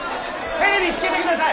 テレビつけてください！